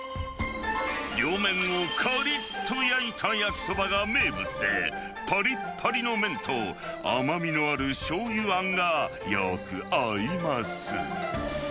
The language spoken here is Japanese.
両面をかりっと焼いた焼きそばが名物で、ぱりっぱりの麺と、甘みのあるしょうゆあんが、よく合います。